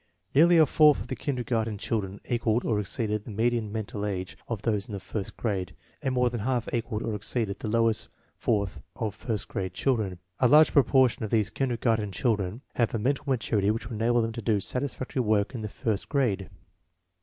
Nearly a fourth of the kindergarten 82 INTELLIGENCE OF SCHOOL CHILDBEN children equaled or exceeded the median mental age of those in the first grade, and more than half equaled or exceeded the lowest fourth of first grade children. A large proportion of these kindergarten children have a mental maturity which would enable them to do satisfactory work in the first grade.